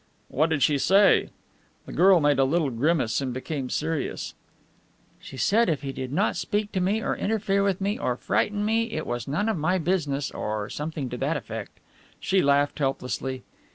'" "What did she say?" The girl made a little grimace and became serious. "She said if he did not speak to me or interfere with me or frighten me it was none of my business, or something to that effect." She laughed helplessly.